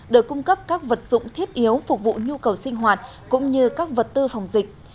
được cung cấp các vật dụng thiết yếu phục vụ nhu cầu sinh hoạt cũng như các vật tư phòng dịch